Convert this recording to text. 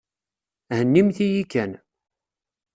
Hennimt-yi kan.